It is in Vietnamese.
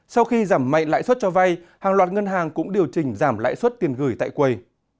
sau khi giảm mạnh lãi suất cho vay hàng loạt ngân hàng cũng điều chỉnh giảm lãi suất tiền gửi tại quầy